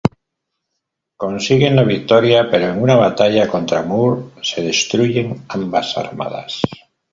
Consiguen la victoria pero en una batalla contra More se destruyen ambas armadas.